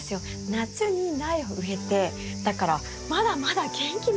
夏に苗を植えてだからまだまだ元気なんです。